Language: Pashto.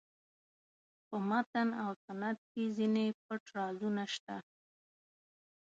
په متن او سنت کې ځینې پټ رازونه شته.